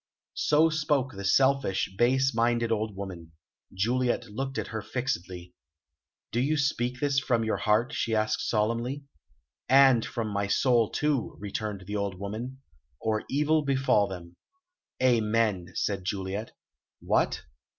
So spoke the selfish, base minded old woman. Juliet looked at her fixedly. "Do you speak this from your heart?" she asked solemnly. "And from my soul too," returned the old woman, "or evil befall them." "Amen!" said Juliet. "What?"